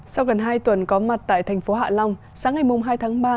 sau gần hai tuần có mặt tại thành phố hạ long sáng ngày hai tháng ba